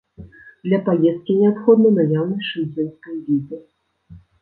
Для паездкі неабходна наяўнасць шэнгенскай візы.